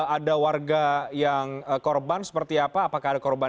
ada warga yang korban seperti apa